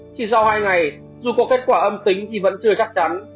chỉ sau hai ngày dù có kết quả âm tính thì vẫn chưa chắc chắn